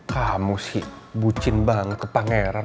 kamu sih bucin banget ke pangeran